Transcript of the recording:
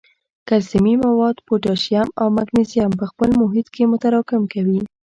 کلسیمي مواد، پوټاشیم او مګنیزیم په خپل محیط کې متراکم کوي.